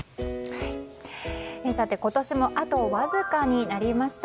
今年もあとわずかになりました。